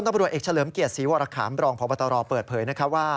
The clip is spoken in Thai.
ตำรวจเอกเฉลิมเกียรติศรีวรคามรองพบตรเปิดเผยว่า